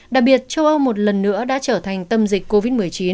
đặc biệt châu âu một lần nữa đã trở thành tâm dịch covid một mươi chín